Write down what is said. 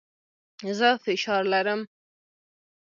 زه فشار لرم.